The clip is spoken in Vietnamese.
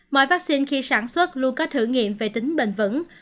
mọi vắc xin khi sản xuất luôn có thử nghiệm về tính bền vững